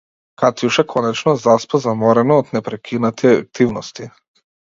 Катјуша конечно заспа, заморена од непрекинати активности.